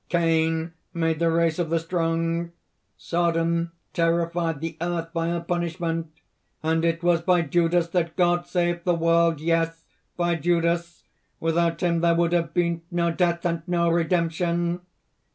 "Cain made the race of the strong; Sodom terrified the earth by her punishment, and it was by Judas that God saved the world! Yes! by Judas: without him there would have been no death and no redemption!"